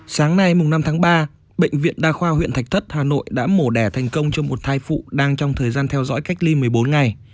sáng nay năm tháng ba bệnh viện đa khoa huyện thạch thất hà nội đã mổ đẻ thành công cho một thai phụ đang trong thời gian theo dõi cách ly một mươi bốn ngày